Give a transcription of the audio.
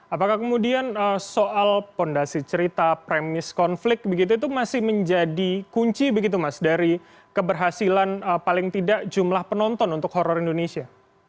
apakah kemudian soal fondasi cerita premis konflik begitu itu masih menjadi kunci begitu mas dari keberhasilan paling tidak jumlah penonton untuk horror indonesia